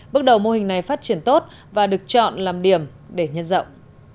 bước đầu mô hình này phát triển tốt và được chọn làm điểm để nhân rộng